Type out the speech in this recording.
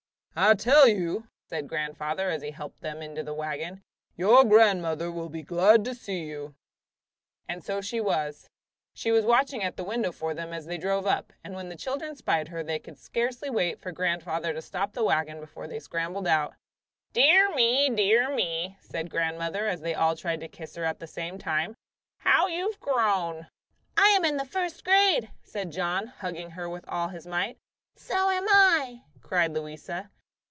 "I tell you," said grandfather, as he helped them into the wagon, "your grandmother will be glad to see you!" And so she was. She was watching at the window for them when they drove up, and when the children spied her they could scarcely wait for grandfather to stop the wagon before they scrambled out. "Dear me, dear me!" said grandmother, as they all tried to kiss her at the same time, "how you have grown." "I am in the first grade," said John, hugging her with all his might. "So am I," cried Louisa.